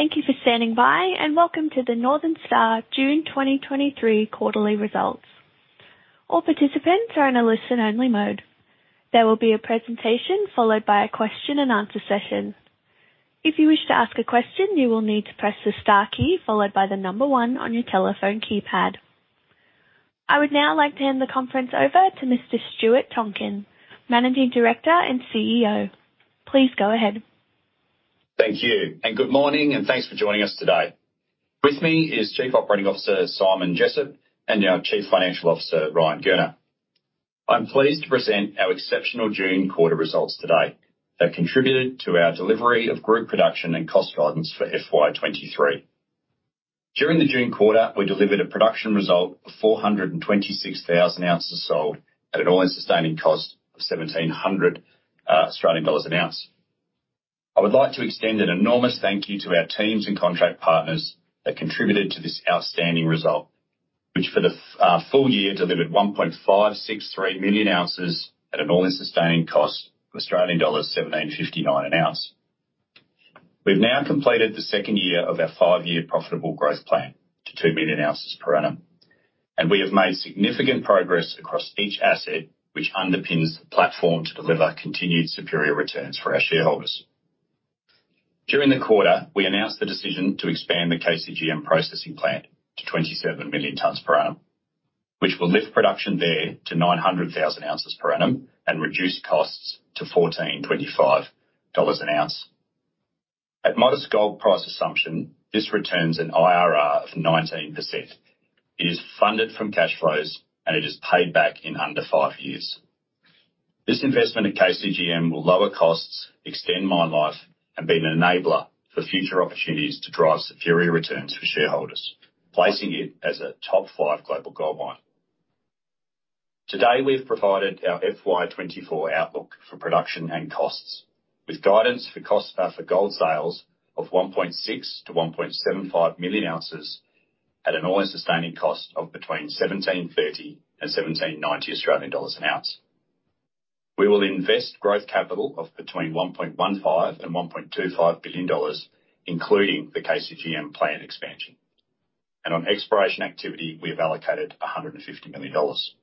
Thank you for standing by. Welcome to the Northern Star June 2023 quarterly results. All participants are in a listen-only mode. There will be a presentation followed by a question and answer session. If you wish to ask a question, you will need to press the star key, followed by the number 1 on your telephone keypad. I would now like to hand the conference over to Mr. Stuart Tonkin, Managing Director and CEO. Please go ahead. Thank you, good morning, and thanks for joining us today. With me is Chief Operating Officer Simon Jessop and our Chief Financial Officer, Ryan Gurner. I'm pleased to present our exceptional June quarter results today, that contributed to our delivery of group production and cost guidance for FY 2023. During the June quarter, we delivered a production result of 426,000 ounces sold at an All-in Sustaining Cost of 1,700 Australian dollars an ounce. I would like to extend an enormous thank you to our teams and contract partners that contributed to this outstanding result, which for the full year, delivered 1.563 million ounces at an All-in Sustaining Cost of Australian dollars 1,759 an ounce. We've now completed the second year of our five-year profitable growth plan to 2 million ounces per annum. We have made significant progress across each asset, which underpins the platform to deliver continued superior returns for our shareholders. During the quarter, we announced the decision to expand the KCGM processing plant to 27 million tons per annum, which will lift production there to 900,000 ounces per annum and reduce costs to 1,425 dollars an ounce. At modest gold price assumption, this returns an IRR of 19%. It is funded from cash flows. It is paid back in under five years. This investment at KCGM will lower costs, extend mine life, and be an enabler for future opportunities to drive superior returns for shareholders, placing it as a top five global gold mine. Today, we've provided our FY 2024 outlook for production and costs, with guidance for costs for gold sales of 1.6-1.75 million ounces at an All-in Sustaining Cost of between 1,730 and 1,790 Australian dollars an ounce. We will invest growth capital of between AUD 1.15 billion and AUD 1.25 billion, including the KCGM plant expansion. On exploration activity, we have allocated 150 million dollars.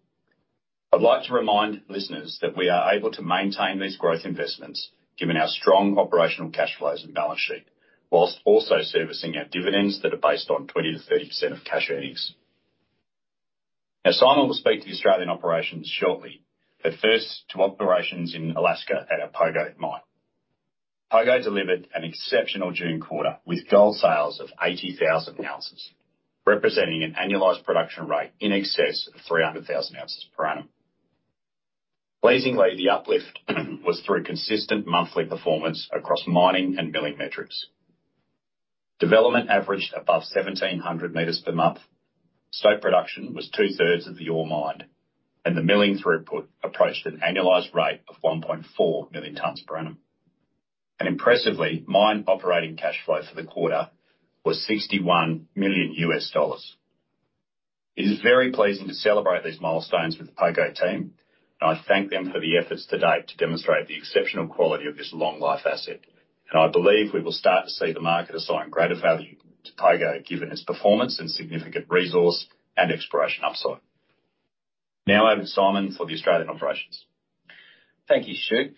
I'd like to remind listeners that we are able to maintain these growth investments given our strong operational cash flows and balance sheet, whilst also servicing our dividends that are based on 20%-30% of cash earnings. Simon will speak to the Australian operations shortly, but first, to operations in Alaska at our Pogo mine. Pogo delivered an exceptional June quarter with gold sales of 80,000 ounces, representing an annualized production rate in excess of 300,000 ounces per annum. Pleasingly, the uplift was through consistent monthly performance across mining and milling metrics. Development averaged above 1,700 meters per month. Stoke production was two-thirds of the ore mined, and the milling throughput approached an annualized rate of 1.4 million tons per annum. Impressively, mine operating cash flow for the quarter was $61 million. It is very pleasing to celebrate these milestones with the Pogo team, and I thank them for the efforts to date to demonstrate the exceptional quality of this long life asset. I believe we will start to see the market assign greater value to Pogo, given its performance and significant resource and exploration upside. Now, over to Simon for the Australian operations. Thank you, Stuart.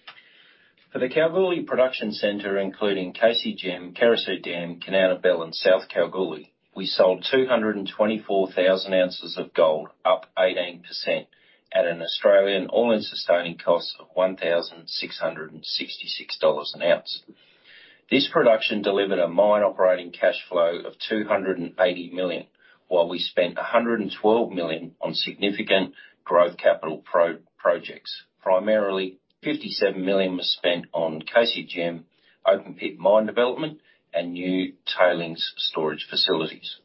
For the Kalgoorlie Production Center, including KCGM, Carosue Dam, Kanowna Belle, and South Kalgoorlie, we sold 224,000 ounces of gold, up 18% at an Australian All-in Sustaining Cost of 1,666 dollars an ounce. This production delivered a mine operating cash flow of 280 million, while we spent 112 million on significant growth capital projects. Primarily, 57 million was spent on KCGM open pit mine development and new tailings storage facilities.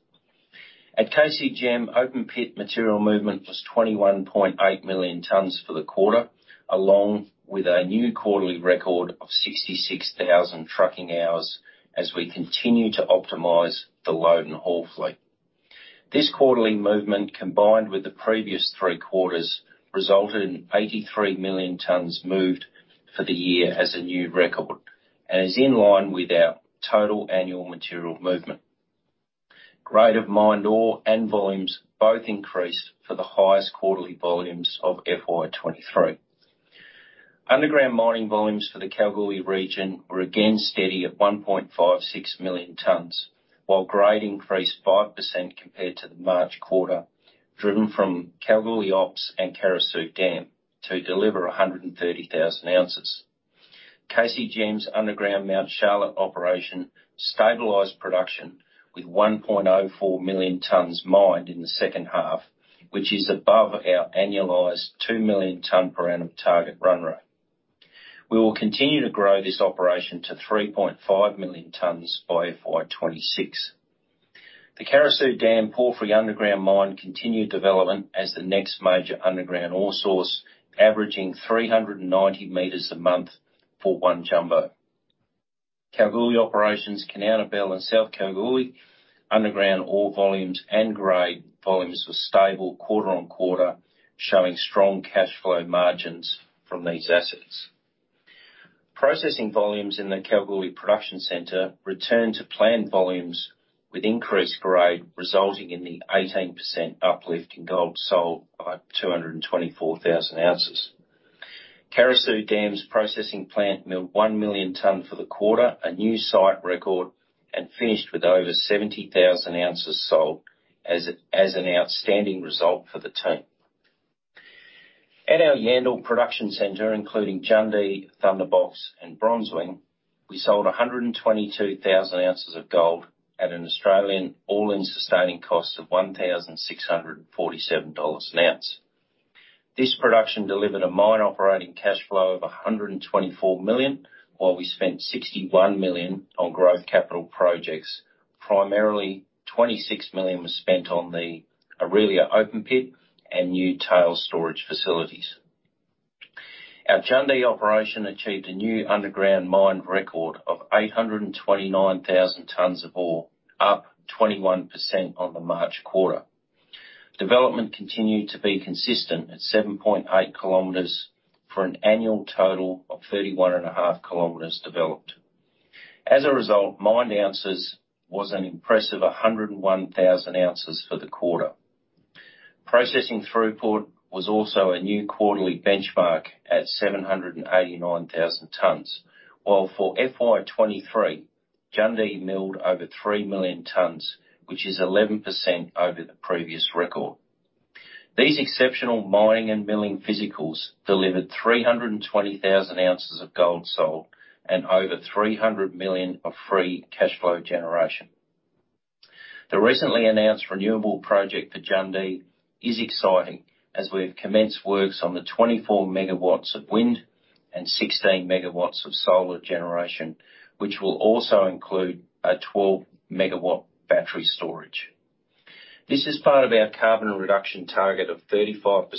At KCGM, open pit material movement was 21.8 million tons for the quarter, along with our new quarterly record of 66,000 trucking hours as we continue to optimize the load and haul fleet. This quarterly movement, combined with the previous Q3, resulted in 83 million tons moved for the year as a new record and is in line with our total annual material movement. Grade of mined ore and volumes both increased for the highest quarterly volumes of FY23. Underground mining volumes for the Kalgoorlie region were again steady at 1.56 million tons, while grade increased 5% compared to the March quarter, driven from Kalgoorlie Ops and Carosue Dam to deliver 130,000 ounces. KCGM's underground Mount Charlotte operation stabilized production with 1.04 million tons mined in the second half, which is above our annualized 2 million ton per annum target run rate. We will continue to grow this operation to 3.5 million tons by FY26. The Carosue Dam Porphyry underground mine continued development as the next major underground ore source, averaging 390 meters a month for one jumbo. Kalgoorlie Operations, Kanowna Belle, and South Kalgoorlie, underground ore volumes and grade volumes were stable quarter-on-quarter, showing strong cash flow margins from these assets. Processing volumes in the Kalgoorlie Production Center returned to planned volumes with increased grade, resulting in the 18% uplift in gold sold by 224,000 ounces. Carosue Dam's processing plant milled 1 million ton for the quarter, a new site record, and finished with over 70,000 ounces sold as an outstanding result for the team. At our Yandal production center, including Jundee, Thunderbox, and Bronzewing, we sold 122,000 ounces of gold at an Australian All-in Sustaining Cost of 1,647 dollars an ounce. This production delivered a mine operating cash flow of 124 million, while we spent 61 million on growth capital projects. Primarily, 26 million was spent on the Orelia open pit and new tail storage facilities. Our Jundee operation achieved a new underground mine record of 829,000 tons of ore, up 21% on the March quarter. Development continued to be consistent at 7.8 kilometers for an annual total of 31.5 kilometers developed. As a result, mined ounces was an impressive 101,000 ounces for the quarter. Processing throughput was also a new quarterly benchmark at 789,000 tons, while for FY23, Jundee milled over 3 million tons, which is 11% over the previous record. These exceptional mining and milling physicals delivered 320,000 ounces of gold sold and over 300 million of free cash flow generation. The recently announced renewable project for Jundee is exciting as we've commenced works on the 24 megawatts of wind and 16 megawatts of solar generation, which will also include a 12-megawatt battery storage. This is part of our carbon reduction target of 35%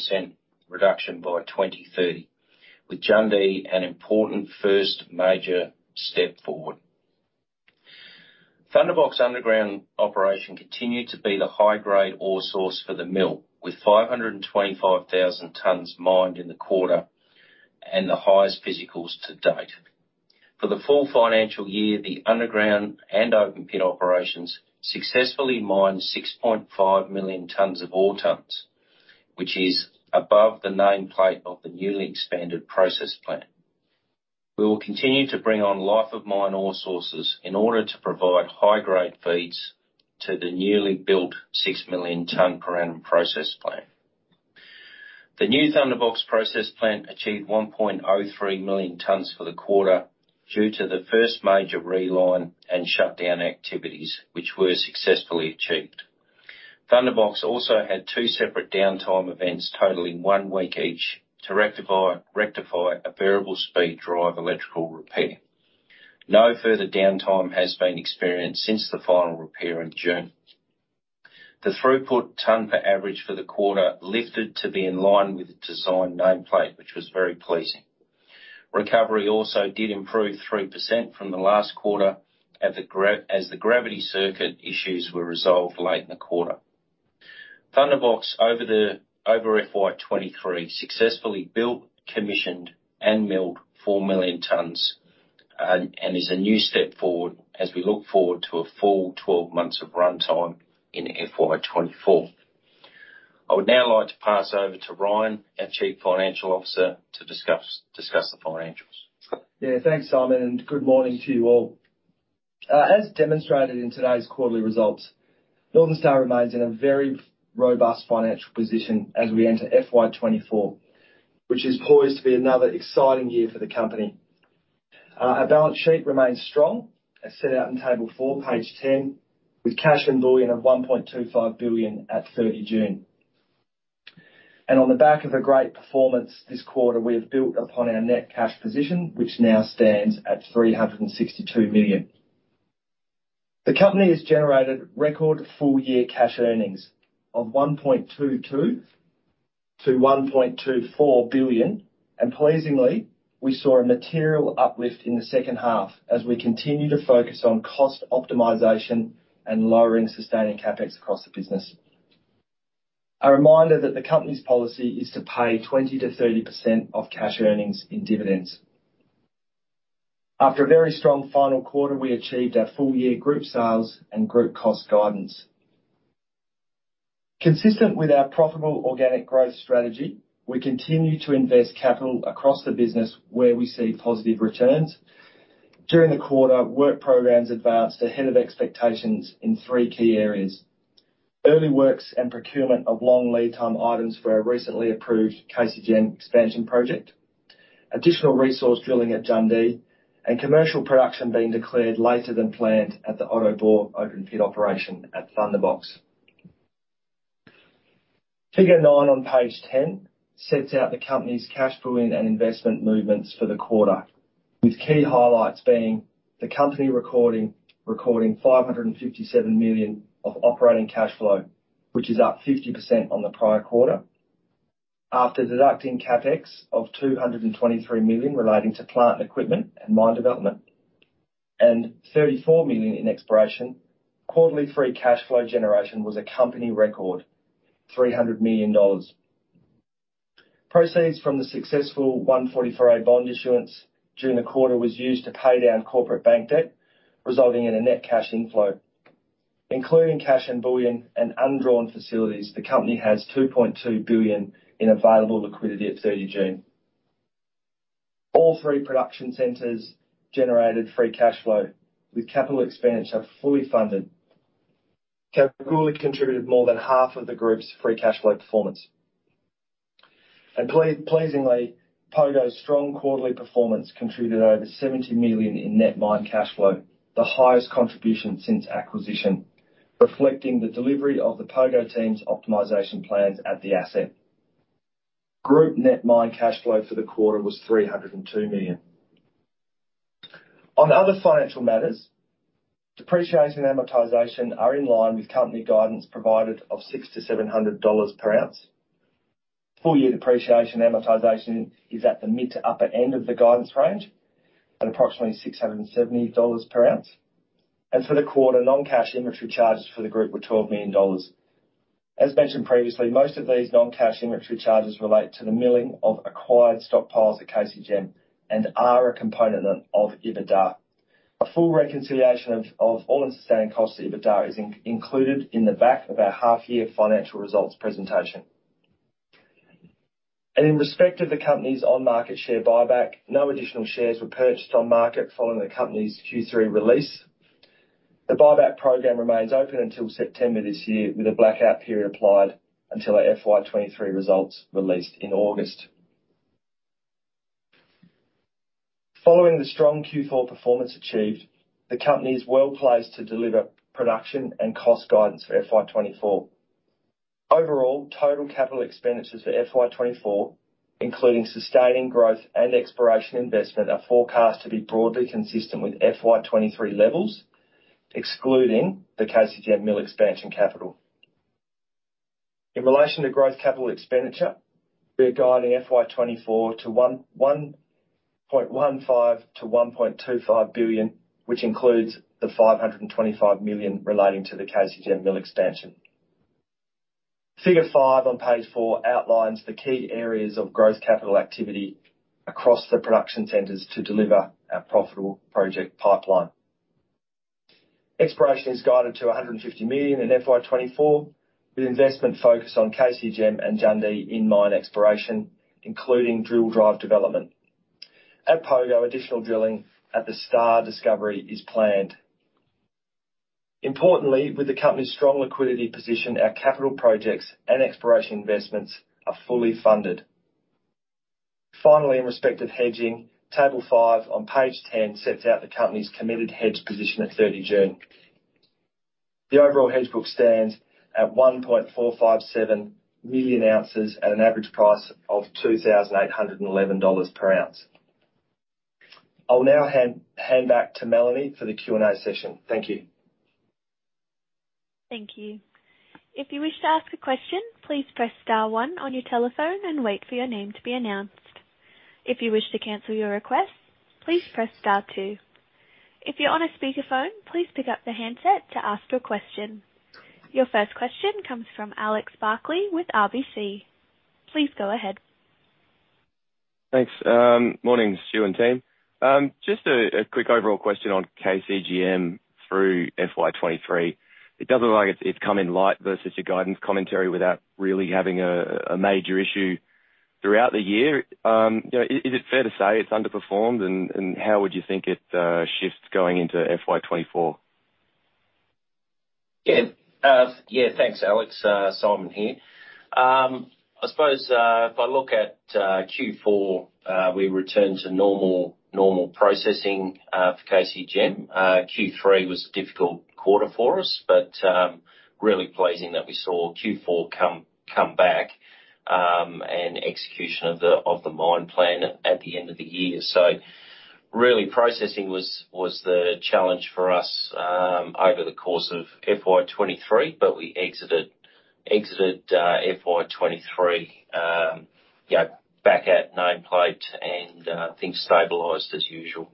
reduction by 2030, with Jundee an important first major step forward. Thunderbox underground operation continued to be the high-grade ore source for the mill, with 525,000 tons mined in the quarter and the highest physicals to date. For the full financial year, the underground and open pit operations successfully mined 6.5 million tons of ore tons, which is above the nameplate of the newly expanded process plant. We will continue to bring on life of mine ore sources in order to provide high-grade feeds to the newly built 6 million ton per annum process plant. The new Thunderbox process plant achieved 1.03 million tons for the quarter due to the first major reline and shutdown activities, which were successfully achieved. Thunderbox also had 2 separate downtime events, totaling one week each, to rectify a variable speed drive, electrical repair. No further downtime has been experienced since the final repair in June. The throughput ton per average for the quarter lifted to be in line with the design nameplate, which was very pleasing. Recovery also did improve 3% from the last quarter as the gravity circuit issues were resolved late in the quarter. Thunderbox, over FY 2023, successfully built, commissioned, and milled 4 million tons, and is a new step forward as we look forward to a full 12 months of runtime in FY 2024. I would now like to pass over to Ryan, our Chief Financial Officer, to discuss the financials. Thanks, Simon, good morning to you all. As demonstrated in today's quarterly results, Northern Star remains in a very robust financial position as we enter FY 2024, which is poised to be another exciting year for the company. Our balance sheet remains strong, as set out in Table 4, page 10, with cash and billion of 1.25 billion at 30 June. On the back of a great performance this quarter, we have built upon our net cash position, which now stands at 362 million. The company has generated record full-year cash earnings of 1.22 billion-1.24 billion, pleasingly, we saw a material uplift in the second half as we continue to focus on cost optimization and lowering sustaining CapEx across the business. A reminder that the company's policy is to pay 20%-30% of cash earnings in dividends. After a very strong final quarter, we achieved our full-year group sales and group cost guidance. Consistent with our profitable organic growth strategy, we continue to invest capital across the business where we see positive returns. During the quarter, work programs advanced ahead of expectations in three key areas: early works and procurement of long lead time items for our recently approved KCGM expansion project, additional resource drilling at Jundee, and commercial production being declared later than planned at the Otto Bore open pit operation at Thunderbox. Figure Nine on page 10 sets out the company's cash flowing and investment movements for the quarter, with key highlights being the company recording 557 million of operating cash flow, which is up 50% on the prior quarter. After deducting CapEx of 223 million relating to plant and equipment and mine development, and 34 million in exploration, quarterly free cash flow generation was a company record, 300 million dollars. Proceeds from the successful 144A bond issuance during the quarter was used to pay down corporate bank debt, resulting in a net cash inflow. Including cash and bullion and undrawn facilities, the company has 2.2 billion in available liquidity at 30 June. All three production centers generated free cash flow, with capital expenditure fully funded. Kalgoorlie contributed more than half of the group's free cash flow performance. Pleasingly, Pogo's strong quarterly performance contributed over 70 million in net mine cash flow, the highest contribution since acquisition, reflecting the delivery of the Pogo team's optimization plans at the asset. Group net mine cash flow for the quarter was AUD 302 million. On other financial matters, depreciation and amortization are in line with company guidance provided of 600-700 dollars per ounce. Full year depreciation amortization is at the mid to upper end of the guidance range, at approximately 670 dollars per ounce. For the quarter, non-cash inventory charges for the group were 12 million dollars. As mentioned previously, most of these non-cash inventory charges relate to the milling of acquired stockpiles at KCGM and are a component of EBITDA. A full reconciliation of all understanding costs of EBITDA is included in the back of our half year financial results presentation. In respect of the company's on-market share buyback, no additional shares were purchased on market following the company's Q3 release. The buyback program remains open until September 2024, with a blackout period applied until our FY 2023 results are released in August 2023. Following the strong Q4 performance achieved, the company is well placed to deliver production and cost guidance for FY 2024. Overall, total capital expenditures for FY 2024, including sustaining growth and exploration investment, are forecast to be broadly consistent with FY 2023 levels, excluding the KCGM mill expansion capital. In relation to growth capital expenditure, we are guiding FY 2024 to 1.15 billion-1.25 billion, which includes the 525 million relating to the KCGM mill expansion. Figure 5 on page 4 outlines the key areas of growth capital activity across the production centers to deliver our profitable project pipeline. Exploration is guided to 150 million in FY 2024, with investment focused on KCGM and Jundee in-mine exploration, including drill drive development. At Pogo, additional drilling at the star discovery is planned. Importantly, with the company's strong liquidity position, our capital projects and exploration investments are fully funded. Finally, in respect of hedging, Table 5 on Page 10 sets out the company's committed hedge position at 30 June. The overall hedge book stands at 1.457 million ounces, at an average price of 2,811 dollars per ounce. I'll now hand back to Melanie for the Q&A session. Thank you. Thank you. If you wish to ask a question, please press star 1 on your telephone and wait for your name to be announced. If you wish to cancel your request, please press star 2. If you're on a speakerphone, please pick up the handset to ask your question. Your first question comes from Alex Barclay with RBC. Please go ahead. Thanks. Mornings, Stuart and team. Just a quick overall question on KCGM through FY 2023. It doesn't look like it's come in light versus your guidance commentary without really having a major issue throughout the year. You know, is it fair to say it's underperformed, and how would you think it shifts going into FY 2024? Yeah. Yeah, thanks, Alex. Simon here. I suppose, if I look at Q4, we returned to normal processing for KCGM. Q3 was a difficult quarter for us, but really pleasing that we saw Q4 come back and execution of the, of the mine plan at the end of the year. Really, processing was the challenge for us over the course of FY 2023, but we exited FY 2023, you know, back at nameplate and things stabilized as usual.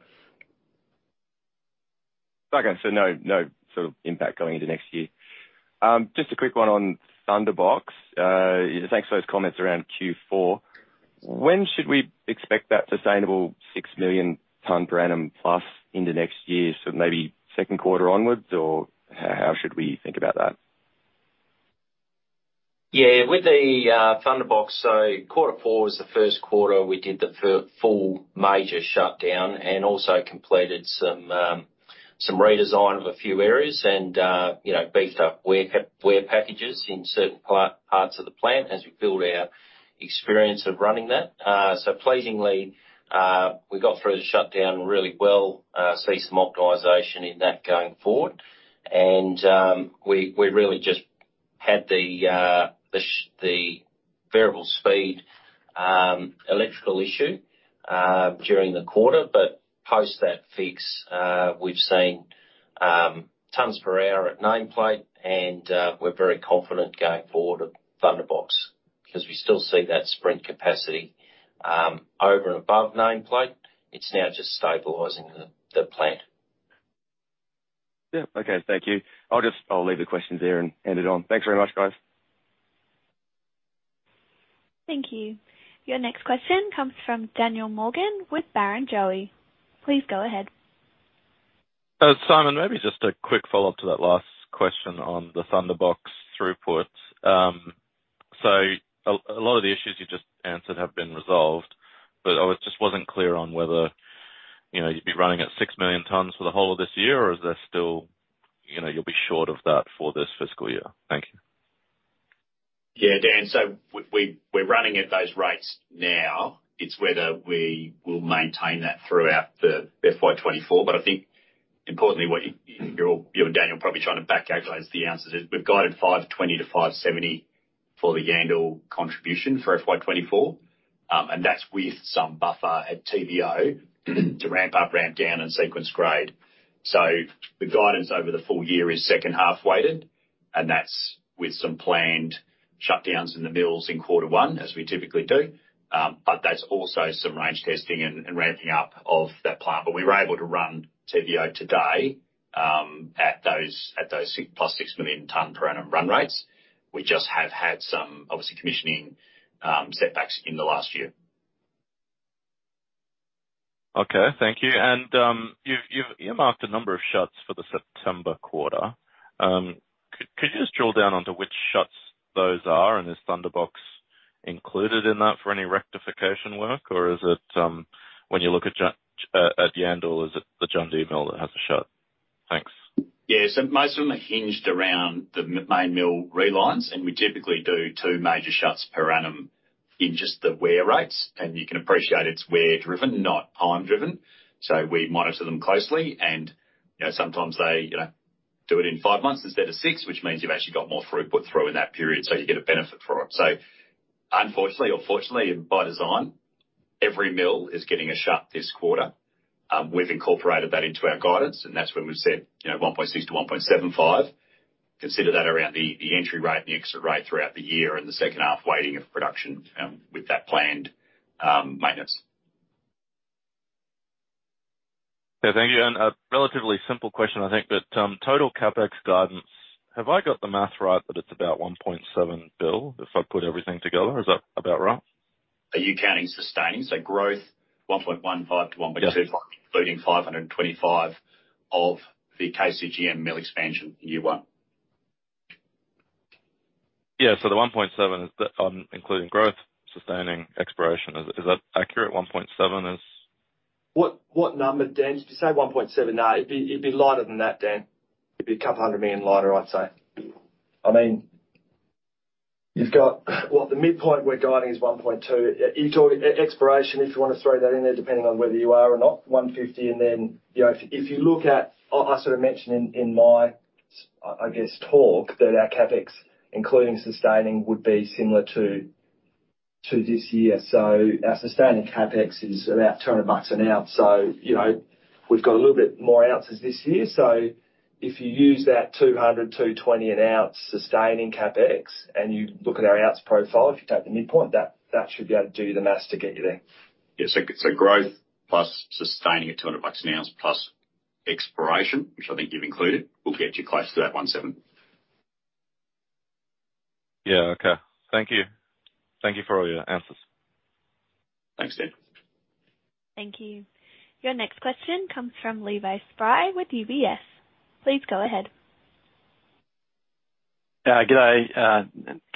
Okay. No, no sort of impact going into next year. Just a quick one on Thunderbox. Thanks for those comments around Q4. When should we expect that sustainable 6 million tons per annum plus in the next year? Maybe Q2 onwards, or how should we think about that? Yeah, with the Thunderbox, quarter four was the Q1 we did the full major shutdown and also completed some redesign of a few areas and, you know, beefed up wear packages in certain parts of the plant as we build our experience of running that. Pleasingly, we got through the shutdown really well, see some optimization in that going forward. We, we really just had the variable speed electrical issue during the quarter. Post that fix, we've seen...... tons per hour at nameplate, and we're very confident going forward at Thunderbox, because we still see that sprint capacity, over and above nameplate. It's now just stabilizing the plant. Yeah. Okay. Thank you. I'll leave the questions there and end it on. Thanks very much, guys. Thank you. Your next question comes from Daniel Morgan with Barrenjoey. Please go ahead. Simon, maybe just a quick follow-up to that last question on the Thunderbox throughput. A lot of the issues you just answered have been resolved, but I just wasn't clear on whether, you know, you'd be running at 6 million tons for the whole of this year, or is there still, you know, you'll be short of that for this fiscal year? Thank you. Dan. We're running at those rates now. It's whether we will maintain that throughout the FY 2024. I think importantly, what you're, you, Daniel, are probably trying to back calculate the answers, is we've guided 520 million-570 million for the Yandal contribution for FY 2024. That's with some buffer at TVO to ramp up, ramp down and sequence grade. The guidance over the full year is second half weighted, and that's with some planned shutdowns in the mills in quarter one, as we typically do. That's also some range testing and ramping up of that plant. We were able to run TVO today, at those 6+ million tons per annum run rates. We just have had some, obviously, commissioning, setbacks in the last year. Okay. Thank you. You've earmarked a number of shuts for the September quarter. Could you just drill down onto which shuts those are, and is Thunderbox included in that for any rectification work, or is it, when you look at Yandal, is it the Jundee mill that has the shut? Thanks. Yeah. Most of them are hinged around the main mill relines. We typically do 2 major shuts per annum in just the wear rates. You can appreciate it's wear driven, not time driven. We monitor them closely and, you know, sometimes they, you know, do it in 5 months instead of 6, which means you've actually got more throughput through in that period, so you get a benefit for it. Unfortunately or fortunately, by design, every mill is getting a shut this quarter. We've incorporated that into our guidance, and that's when we've said, you know, 1.6-1.75. Consider that around the entry rate and the exit rate throughout the year and the second half weighting of production, with that planned maintenance. Yeah. Thank you. A relatively simple question, I think, total CapEx guidance. Have I got the math right that it's about 1.7 billion, if I put everything together, is that about right? Are you counting sustaining? Growth, 1.15-1.25, including 525 of the KCGM mill expansion in year one. Yeah. The 1.7 is the, including growth, sustaining, exploration. Is that accurate, 1.7 is? What number, Dan? Did you say 1.7? No, it'd be lighter than that, Dan. It'd be AUD a couple hundred million lighter, I'd say. I mean, you've got, well, the midpoint we're guiding is 1.2. You talk exploration, if you want to throw that in there, depending on whether you are or not, 150 million. You know, if you look at, I sort of mentioned in my, I guess, talk, that our CapEx, including sustaining, would be similar to this year. Our sustaining CapEx is about 200 bucks an ounce. You know, we've got a little bit more ounces this year. If you use that 200-220 an ounce sustaining CapEx, and you look at our ounce profile, if you take the midpoint, that should be able to do the math to get you there. Yeah. growth plus sustaining at 200 bucks an ounce, plus exploration, which I think you've included, will get you close to that 1,700. Yeah. Okay. Thank you. Thank you for all your answers. Thanks, Dan. Thank you. Your next question comes from Levi Spry with UBS. Please go ahead. Good day,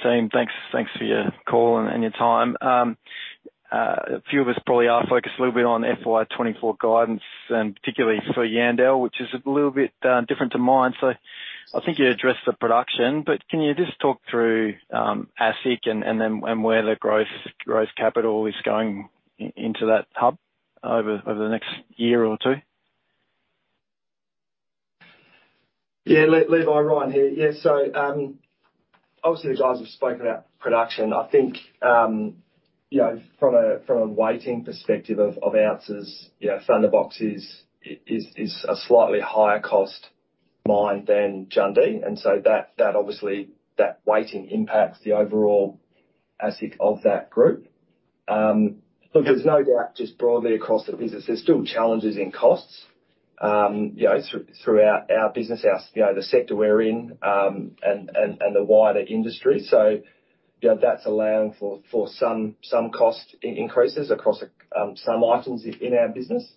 team. Thanks for your call and your time. A few of us probably are focused a little bit on FY 2024 guidance, and particularly for Yandal, which is a little bit different to mine. I think you addressed the production, but can you just talk through AISC and then and where the growth capital is going into that hub over the next year or two? Levi, Ryan here. Obviously the guys have spoken about production. I think, you know, from a weighting perspective of ounces, you know, Thunderbox is a slightly higher cost mine than Jundee. That obviously, that weighting impacts the overall AISC of that group. Look, there's no doubt just broadly across the business, there's still challenges in costs, you know, throughout our business, our, you know, the sector we're in, and the wider industry. You know, that's allowing for some cost increases across some items in our business.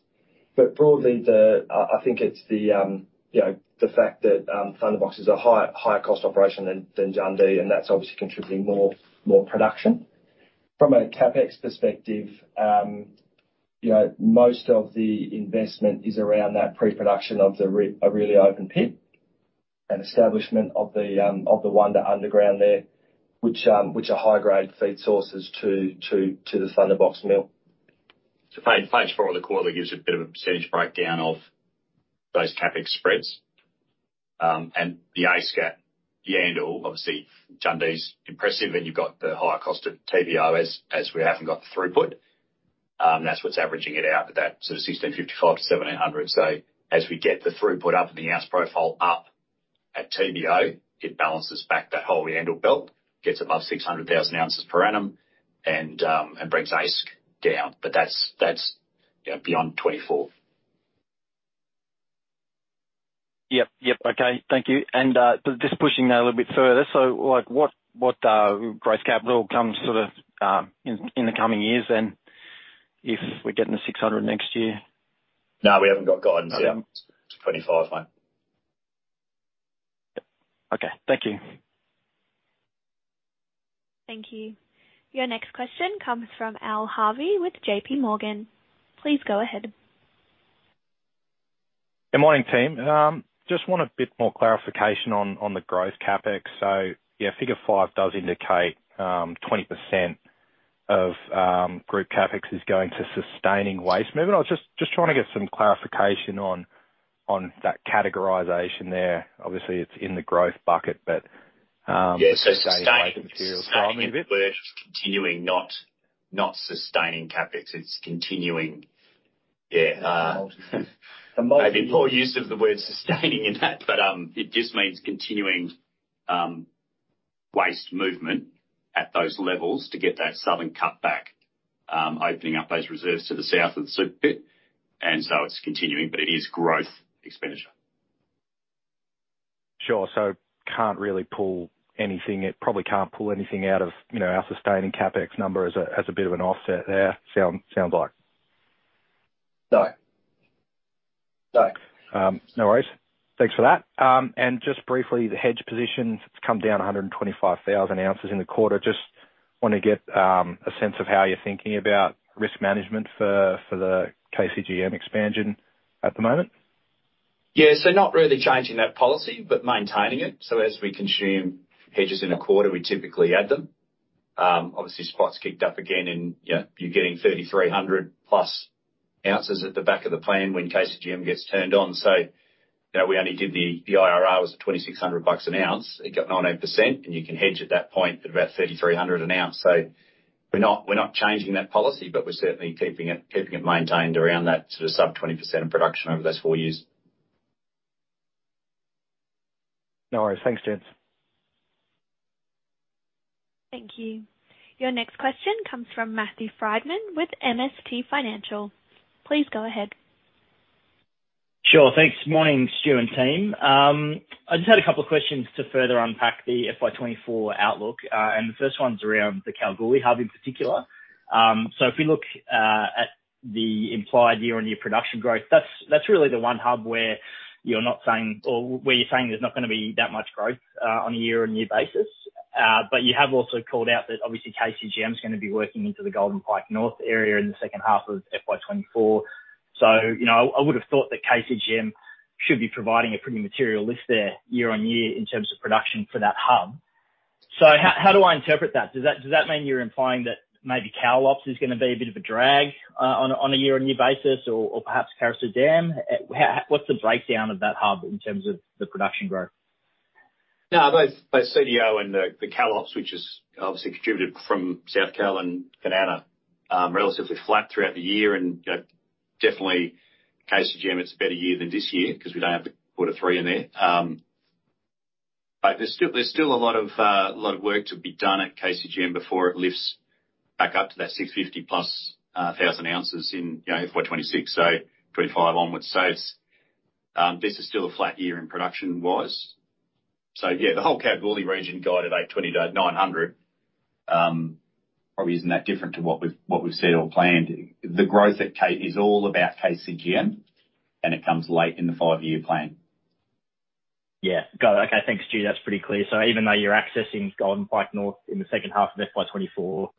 Broadly, I think it's the, you know, the fact that Thunderbox is a higher cost operation than Jundee, and that's obviously contributing more production. From a CapEx perspective, you know, most of the investment is around that pre-production of the Orelia open pit and establishment of the Wonder underground there, which are high grade feed sources to the Thunderbox mill. Page four of the quarterly gives you a bit of a percentage breakdown of those CapEx spreads. And the ASCAT, Yandal, obviously, Jundee's impressive, and you've got the higher cost of TBO as we haven't got the throughput. That's what's averaging it out at that sort of 1,655-1,700. As we get the throughput up and the ounce profile up at TBO, it balances back that whole Yandal belt, gets above 600,000 ounces per annum and brings ASC down. That's, you know, beyond 2024. Yep. Yep. Okay. Thank you. Just pushing that a little bit further. Like, what growth capital comes sort of in the coming years then, if we're getting to 600 next year? No, we haven't got guidance yet. Yeah. 25, mate. Okay. Thank you. Thank you. Your next question comes from Alistair Harvey with J.P. Morgan. Please go ahead. Good morning, team. Just want a bit more clarification on the growth CapEx. Yeah, figure five does indicate 20% of group CapEx is going to sustaining waste movement. I was just trying to get some clarification on that categorization there. Obviously, it's in the growth bucket, but. Yeah. Sustaining waste materials. We're just continuing, not sustaining CapEx. It's continuing. Yeah, maybe poor use of the word sustaining in that, but it just means continuing waste movement at those levels to get that southern cut back, opening up those reserves to the south of the super pit. It's continuing, but it is growth expenditure. It probably can't pull anything out of, you know, our sustaining CapEx number as a bit of an offset there, sounds like? No. No. No worries. Thanks for that. Just briefly, the hedge positions, it's come down 125,000 ounces in the quarter. Just want to get a sense of how you're thinking about risk management for the KCGM expansion at the moment. Yeah, not really changing that policy, but maintaining it. As we consume hedges in a quarter, we typically add them. Obviously, spot's kicked up again and, you know, you're getting 3,300+ ounces at the back of the plan when KCGM gets turned on. You know, we only did the IRR was at 2,600 bucks an ounce. It got 98%, and you can hedge at that point at about 3,300 an ounce. We're not changing that policy, but we're certainly keeping it maintained around that sort of sub 20% of production over those 4 years. No worries. Thanks, gents. Thank you. Your next question comes from Matthew Frydman with MST Financial. Please go ahead. Sure. Thanks. Morning, Stu and team. I just had a couple of questions to further unpack the FY 2024 outlook. The first one's around the Kalgoorlie hub in particular. If we look at the implied year-on-year production growth, that's really the one hub where you're not saying or where you're saying there's not going to be that much growth on a year-on-year basis. You have also called out that obviously KCGM is going to be working into the Golden Pike North area in the second half of FY 2024. You know, I would have thought that KCGM should be providing a pretty material lift there year-on-year in terms of production for that hub. How do I interpret that? Does that mean you're implying that maybe Kalgoorlie Operations is going to be a bit of a drag on a year-on-year basis or perhaps Carosue Dam? What's the breakdown of that hub in terms of the production growth? No, both CDO and the Kalgoorlie Operations, which is obviously contributed from South Kal and Kanowna Belle, relatively flat throughout the year. You know, definitely KCGM, it's a better year than this year because we don't have to put a 3 in there. But there's still a lot of work to be done at KCGM before it lifts back up to that 650 plus thousand ounces in, you know, FY 2026, so 2025 onwards. This is still a flat year in production-wise. Yeah, the whole Kalgoorlie region guided at 20 to 900, probably isn't that different to what we've, what we've said or planned. The growth is all about KCGM, and it comes late in the five-year plan. Yeah. Got it. Okay, thanks, Stu. That's pretty clear. Even though you're accessing Golden Pike North in the second half of FY 2024,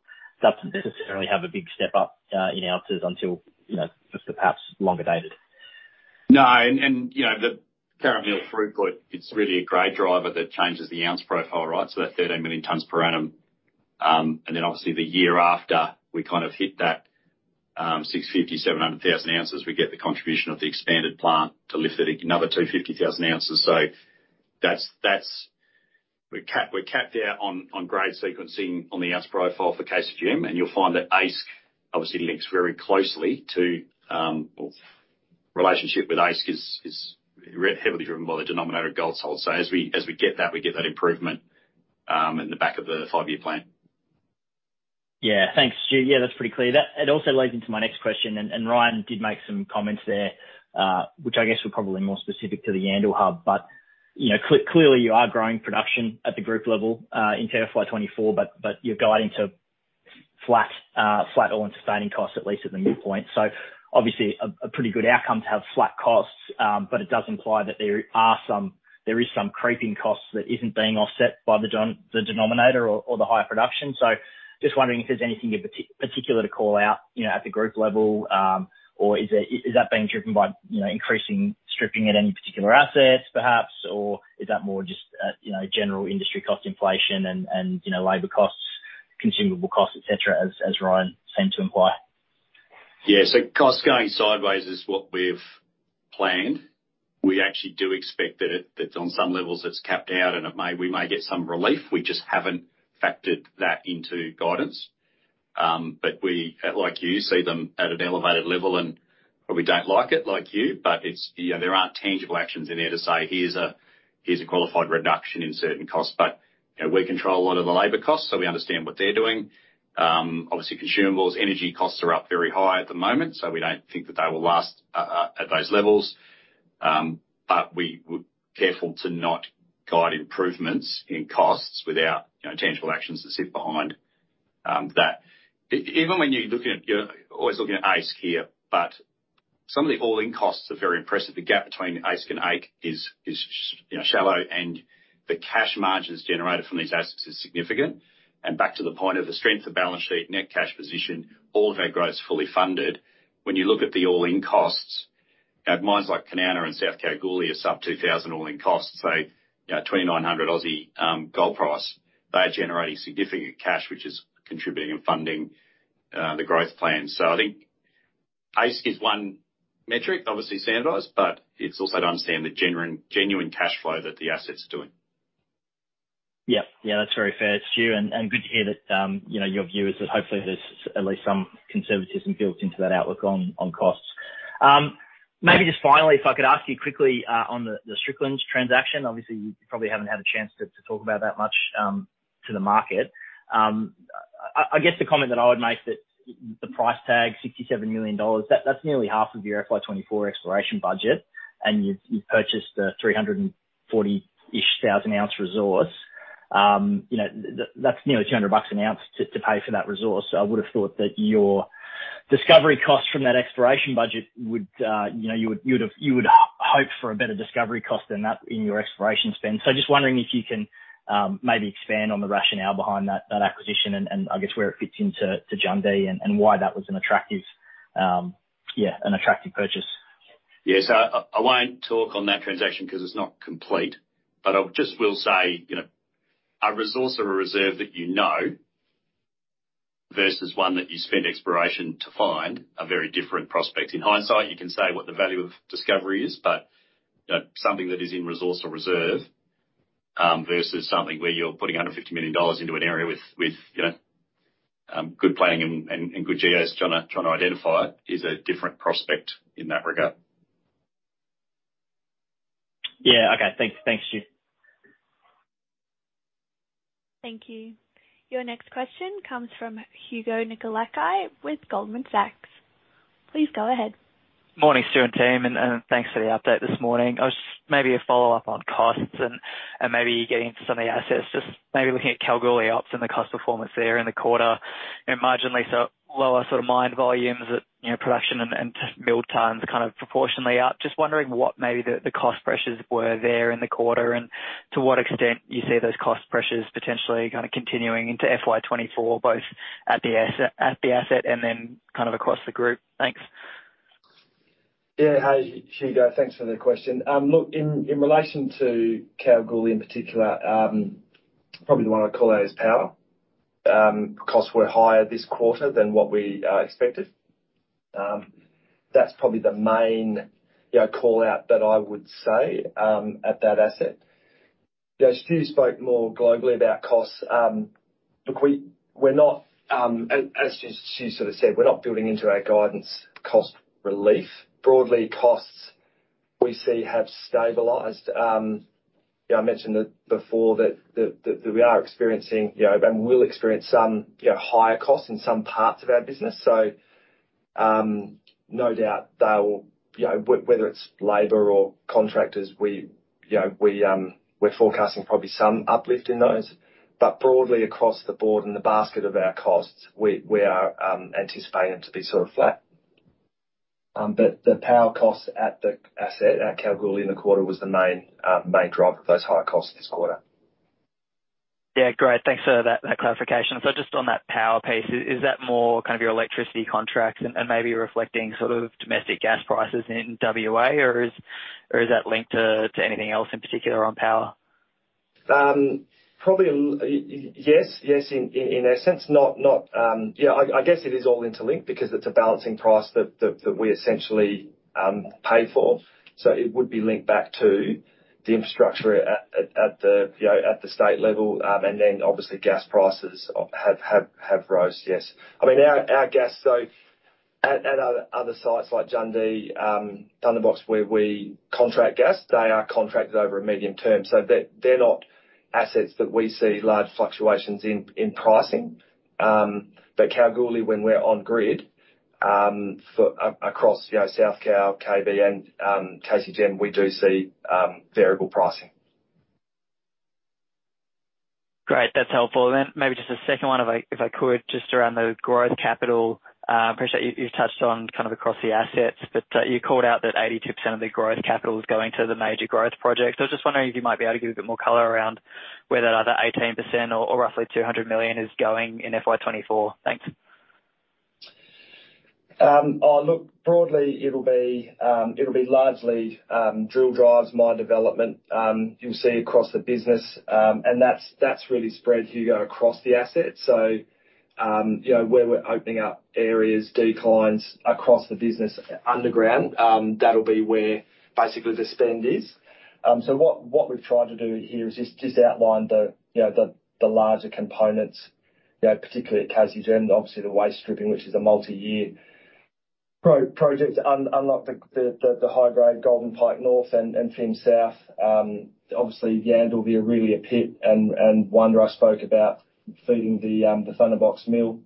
doesn't necessarily have a big step up in ounces until, you know, just perhaps longer dated. No, you know, the carat mill throughput, it's really a great driver that changes the ounce profile, right? That 13 million tons per annum, and then obviously the year after, we kind of hit that 650,000, 700,000 ounces, we get the contribution of the expanded plant to lift it another 250,000 ounces. That's we're capped out on grade sequencing on the ounce profile for KCGM, and you'll find that AISC obviously links very closely to... Well, relationship with AISC is heavily driven by the denominator of gold sold. As we get that, we get that improvement in the back of the 5-year plan. Yeah. Thanks, Stu. Yeah, that's pretty clear. It also leads into my next question, and Ryan did make some comments there, which I guess were probably more specific to the Yandal hub, but you know, clearly you are growing production at the group level in FY 2024, but you're guiding to flat All-in Sustaining Costs, at least at the new point. Obviously a pretty good outcome to have flat costs, but it does imply that there is some creeping costs that isn't being offset by the denominator or the higher production. Just wondering if there's anything in particular to call out, you know, at the group level? Or is that being driven by, you know, increasing stripping at any particular assets, perhaps? Is that more just, you know, general industry cost inflation and, you know, labor costs, consumable costs, et cetera, as Ryan seemed to imply? Costs going sideways is what we've planned. We actually do expect that on some levels, it's capped out, and we may get some relief. We just haven't factored that into guidance. We, like you, see them at an elevated level. We don't like it, like you, it's, you know, there aren't tangible actions in there to say, "Here's a qualified reduction in certain costs." You know, we control a lot of the labor costs, so we understand what they're doing. Obviously, consumables, energy costs are up very high at the moment, so we don't think that they will last at those levels. We're careful to not guide improvements in costs without, you know, tangible actions to sit behind that. Even when you're always looking at AISC here, but some of the all-in costs are very impressive. The gap between AISC and AIC is, you know, shallow, and the cash margins generated from these assets is significant. Back to the point of the strength of balance sheet, net cash position, all of our growth is fully funded. When you look at the all-in costs, at mines like Kanowna Belle and South Kalgoorlie are sub 2,000 all-in costs, so you know, 2,900 Aussie gold price. They are generating significant cash, which is contributing and funding the growth plan. I think AISC is one metric, obviously standardized, but it's also to understand the genuine cash flow that the asset's doing. Yeah, that's very fair, Stu, and good to hear that, you know, your view is that hopefully there's at least some conservatism built into that outlook on costs. Maybe just finally, if I could ask you quickly on the Stricklands transaction, obviously, you probably haven't had a chance to talk about that much to the market. I guess the comment that I would make that the price tag, 67 million dollars, that's nearly half of your FY 2024 exploration budget, and you've purchased a 340,000-ish ounce resource. You know, that's nearly 200 bucks an ounce to pay for that resource. I would have thought that your discovery costs from that exploration budget would, you know, you would've, you would hope for a better discovery cost than that in your exploration spend. Just wondering if you can maybe expand on the rationale behind that acquisition and I guess where it fits into, to Jundee and why that was an attractive, yeah, an attractive purchase. I won't talk on that transaction because it's not complete. I just will say, you know, a resource or a reserve that you know, versus one that you spend exploration to find, are very different prospects. In hindsight, you can say what the value of discovery is. You know, something that is in resource or reserve, versus something where you're putting under 50 million dollars into an area with, you know, good planning and good geos trying to identify it, is a different prospect in that regard. Yeah. Okay. Thanks. Thanks, Stu. Thank you. Your next question comes from Hugo Nicolaci with Goldman Sachs. Please go ahead. Morning, Stu and team, and thanks for the update this morning. I was maybe a follow-up on costs and maybe getting into some of the assets, just maybe looking at Kalgoorlie Ops and the cost performance there in the quarter, and marginally so, lower sort of mine volumes at, you know, production and mill tons kind of proportionally out. Just wondering what maybe the cost pressures were there in the quarter, and to what extent you see those cost pressures potentially kind of continuing into FY 2024, both at the asset and then kind of across the group. Thanks. Yeah. Hey, Hugo, thanks for the question. Look, in relation to Kalgoorlie in particular, probably the one I'd call out is power. Costs were higher this quarter than what we expected. That's probably the main, you know, call-out that I would say at that asset. You know, Stu spoke more globally about costs. Look, we're not, as Stu sort of said, we're not building into our guidance cost relief. Broadly, costs we see have stabilized. Yeah, I mentioned it before that we are experiencing, you know, and will experience some, you know, higher costs in some parts of our business. No doubt they will, you know, whether it's labor or contractors, we, you know, we're forecasting probably some uplift in those. Broadly across the board, in the basket of our costs, we are anticipating them to be sort of flat. The power costs at the asset, at Kalgoorlie in the quarter, was the main driver of those higher costs this quarter. Yeah, great. Thanks for that clarification. Just on that power piece, is that more kind of your electricity contracts and maybe reflecting sort of domestic gas prices in WA, or is that linked to anything else in particular on power? Probably, yes, in essence, not, I guess it is all interlinked because it's a balancing price that we essentially pay for. It would be linked back to the infrastructure at the, you know, at the state level. Then obviously gas prices have rose, yes. I mean, our gas at other sites like Jundee, Thunderbox, where we contract gas, they are contracted over a medium term, they're not assets that we see large fluctuations in pricing. Kalgoorlie, when we're on grid, across, you know, South Kal, KB and Casey Gem, we do see variable pricing. Great. That's helpful. Maybe just a second one, if I could, just around the growth capital. Appreciate you've touched on kind of across the assets, but you called out that 82% of the growth capital is going to the major growth projects. I was just wondering if you might be able to give a bit more color around where that other 18% or roughly 200 million is going in FY 2024. Thanks. Look, broadly it'll be, it'll be largely, drill drives, mine development, you'll see across the business. That's really spread, Hugo, across the asset. you know, where we're opening up areas, declines across the business underground, that'll be where basically the spend is. What we've tried to do here is just outline the, you know, the larger components, you know, particularly at Casey Gym, obviously the waste stripping, which is a multi-year project. Unlock the high grade Golden Pike North and Fimiston South. Obviously, Yandal will be really a pit, and Wonder I spoke about feeding the Thunderbox mill.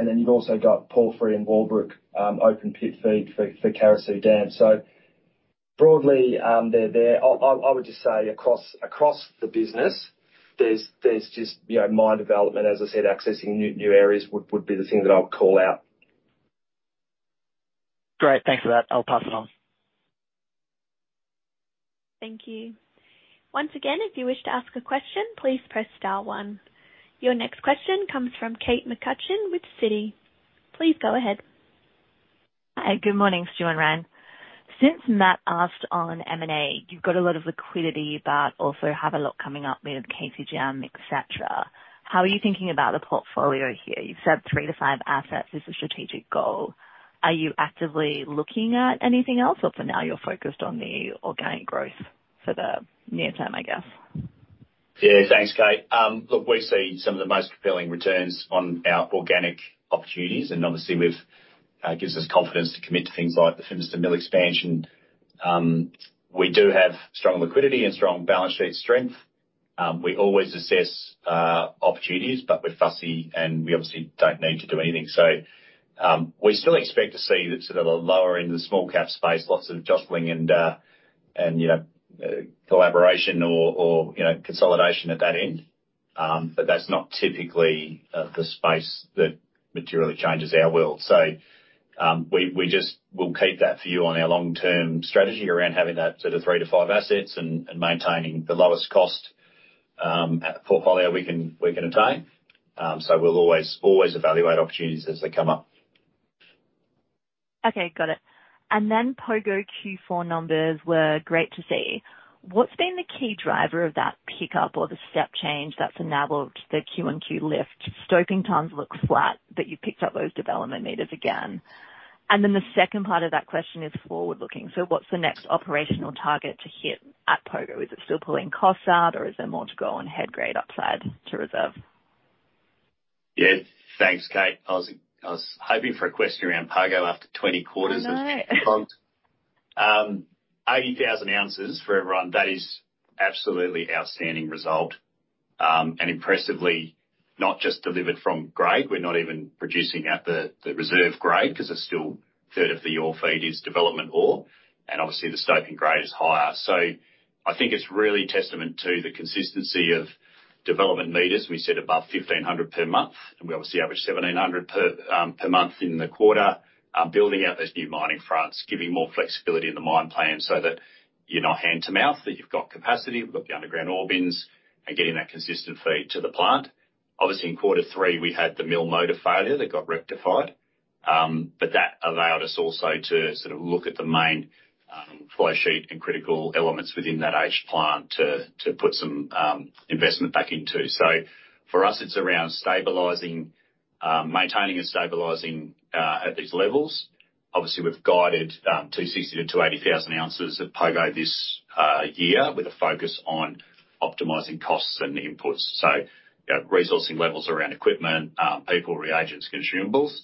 You've also got Porphyry and Wallaby open pit feed for Carosue Dam. Broadly, they're there. I would just say across the business, there's just, you know, mine development, as I said, accessing new areas would be the thing that I would call out. Great. Thanks for that. I'll pass it on. Thank you. Once again, if you wish to ask a question, please press star one. Your next question comes from Kate McCutcheon with Citi. Please go ahead. Hi, good morning, Stuart and Ryan. Since Matthew asked on M&A, you've got a lot of liquidity, but also have a lot coming up with KCGM, et cetera. How are you thinking about the portfolio here? You've said three to five assets is a strategic goal. Are you actively looking at anything else, or for now you're focused on the organic growth for the near term, I guess? Yeah. Thanks, Kate. Look, we see some of the most compelling returns on our organic opportunities. Obviously we've gives us confidence to commit to things like the Fimiston mill expansion. We do have strong liquidity and strong balance sheet strength. We always assess opportunities, but we're fussy and we obviously don't need to do anything. We still expect to see that sort of a lower end of the small cap space, lots of jostling and, you know, collaboration or, you know, consolidation at that end. That's not typically the space that materially changes our world. We, we just will keep that view on our long-term strategy around having that sort of three to five assets and maintaining the lowest cost, portfolio we can attain. We'll always evaluate opportunities as they come up. Okay, got it. Pogo Q4 numbers were great to see. What's been the key driver of that pickup or the step change that's enabled the Q-on-Q lift? Stoping tons look flat, but you picked up those development meters again. The second part of that question is forward looking: What's the next operational target to hit at Pogo? Is it still pulling costs out, or is there more to go on head grade upside to reserve? Yeah. Thanks, Kate. I was hoping for a question around Pogo after 20 quarters of- I know. 80,000 ounces for everyone. That is absolutely outstanding result, and impressively, not just delivered from grade. We're not even producing at the reserve grade, because it's still a third of the ore feed is development ore, and obviously the stoping grade is higher. I think it's really testament to the consistency of development meters. We said above 1,500 per month, and we obviously average 1,700 per month in the quarter. Building out those new mining fronts, giving more flexibility in the mine plan so that you're not hand to mouth, that you've got capacity, we've got the underground ore bins and getting that consistent feed to the plant. Obviously, in quarter three, we had the mill motor failure that got rectified. That allowed us also to sort of look at the main flow sheet and critical elements within that aged plant to put some investment back into. For us, it's around stabilizing, maintaining and stabilizing at these levels. Obviously, we've guided 260,000-280,000 ounces at Pogo this year, with a focus on optimizing costs and inputs, so, you know, resourcing levels around equipment, people, reagents, consumables.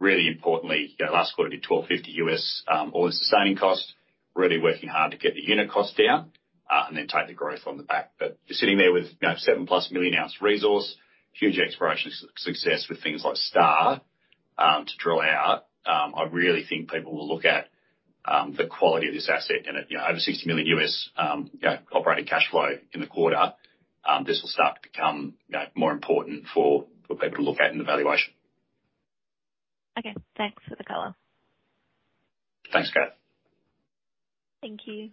Really importantly, you know, last quarter did $1,250 US All-in Sustaining Cost, really working hard to get the unit costs down and then take the growth on the back. You're sitting there with, you know, 7+ million ounce resource, huge exploration success with things like Star to drill out. I really think people will look at the quality of this asset and at, over $60 million US operating cash flow in the quarter. This will start to become more important for people to look at in the valuation. Okay, thanks for the color. Thanks, Kate. Thank you.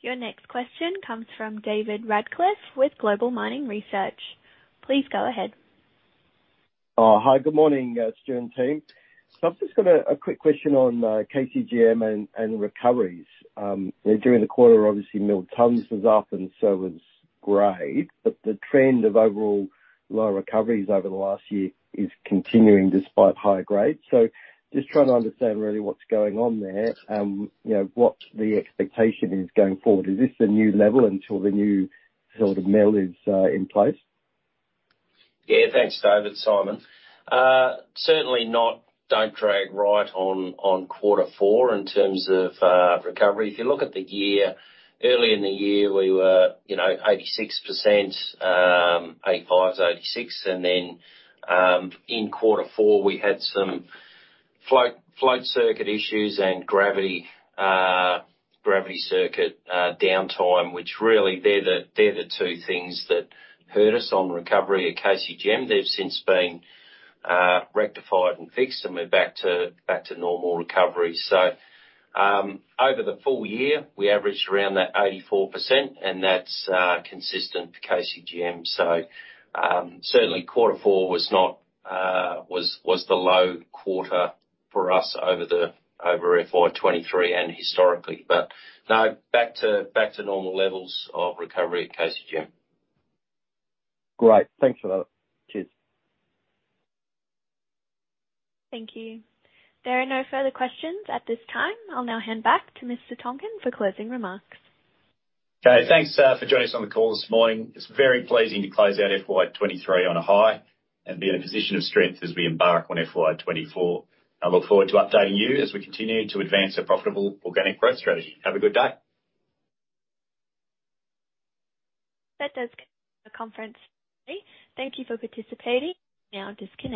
Your next question comes from David Radclyffe with Global Mining Research. Please go ahead. Hi, good morning, Stuart and team. I've just got a quick question on KCGM and recoveries. During the quarter, obviously, milled tons was up and so was grade, but the trend of overall low recoveries over the last year is continuing despite higher grades. Just trying to understand really what's going on there, you know, what the expectation is going forward. Is this the new level until the new sort of mill is in place? Thanks, David. Simon. Certainly not, don't drag right on quarter four in terms of recovery. If you look at the year, early in the year, we were, you know, 86%, 85, 86. In quarter four, we had some flotation circuit issues and gravity circuit downtime, which really they're the two things that hurt us on recovery at KCGM. They've since been rectified and fixed. We're back to normal recovery. Over the full year, we averaged around that 84%, and that's consistent for KCGM. Certainly quarter four was not the low quarter for us over FY23 and historically. Back to normal levels of recovery at KCGM. Great. Thanks for that. Cheers. Thank you. There are no further questions at this time. I'll now hand back to Mr. Tonkin for closing remarks. Okay. Thanks for joining us on the call this morning. It's very pleasing to close out FY 2023 on a high and be in a position of strength as we embark on FY 2024. I look forward to updating you as we continue to advance our profitable organic growth strategy. Have a good day. That does conclude the conference. Thank you for participating. Now disconnect.